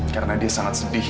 karena dia sangat sedih